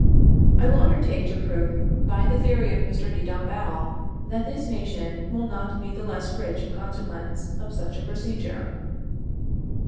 I will undertake to prove by the theory of Mr. de Dombasle that this nation will not be the less rich in consequence of such a procedure.